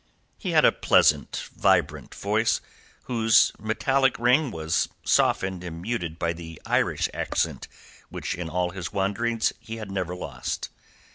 He had a pleasant, vibrant voice, whose metallic ring was softened and muted by the Irish accent which in all his wanderings he had never lost.